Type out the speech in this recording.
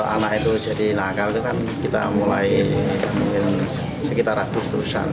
anak itu jadi nakal itu kan kita mulai sekitar ratus tusan